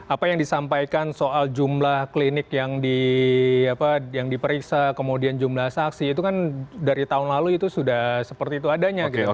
apa yang disampaikan soal jumlah klinik yang diperiksa kemudian jumlah saksi itu kan dari tahun lalu itu sudah seperti itu adanya gitu